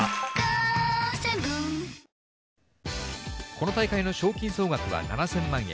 この大会の賞金総額は７０００万円。